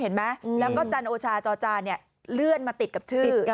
และก็จันโอชาจอจานเลื่อนมาติดกับชื่อ